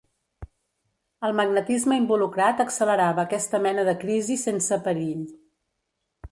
El magnetisme involucrat accelerava aquesta mena de crisis sense perill.